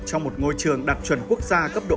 trong một ngôi trường đặc chuẩn quốc gia cấp độ một